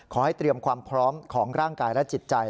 ขอให้เตรียมความพร้อมของร่างกายและจิตใจ